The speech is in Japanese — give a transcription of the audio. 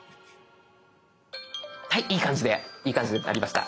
いい感じでいい感じで鳴りました。